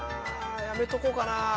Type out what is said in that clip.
やめとこうかな。